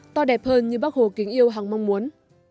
to đẹp hơn như bác hồ kính yêu hằng mong muốn